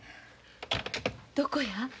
どこや？